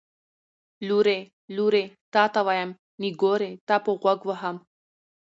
ـ لورې لورې تاته ويم، نګورې تاپه غوږ وهم.